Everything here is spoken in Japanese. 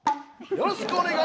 よろしくお願い。